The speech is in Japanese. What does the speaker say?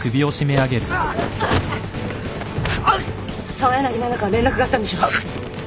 澤柳菜々から連絡があったんでしょ？